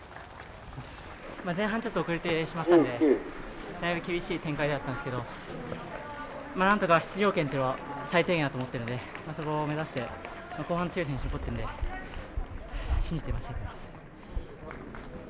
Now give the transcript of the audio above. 前半ちょっと遅れてしまったのでだいぶ厳しい展開だったんですけど、なんとか出場権が最低限だと思っているのでそこを目指して後半強い選手が残っているので信じています。